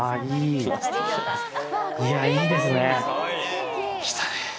いや。